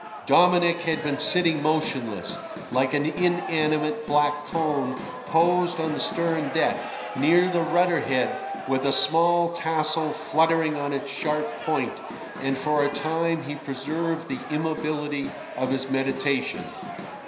..." Dominic had been sitting motionless, like an inanimate black cone posed on the stern deck, near the rudder head, with a small tassel fluttering on its sharp point, and for a time he preserved the immobility of his meditation.